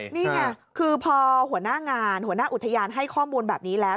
นี่ไงคือพอหัวหน้างานหัวหน้าอุทยานให้ข้อมูลแบบนี้แล้ว